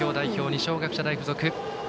二松学舎大付属。